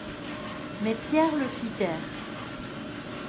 Mais Pierre le fit taire.